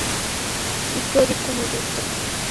মাস খানেক আগে ব্যাংকটির এমডি পদে যোগ দিয়েছেন প্রদীপ কুমার দত্ত।